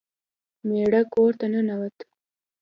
میړه کور ته ننوت.